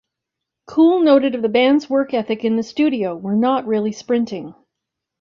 Cool noted of the band's work ethic in the studio, We're not really sprinting.